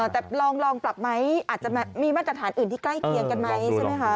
แต่ลองปรับไหมอาจจะมีมาตรฐานอื่นที่ใกล้เคียงกันไหมใช่ไหมคะ